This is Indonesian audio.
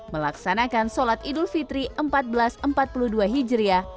melaksanakan sholat idul fitri seribu empat ratus empat puluh dua hijriah